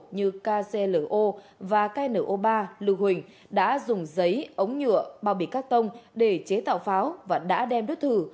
như kclo và kno ba lưu huỳnh đã dùng giấy ống nhựa bao bì cắt tông để chế tạo pháo và đã đem đốt thử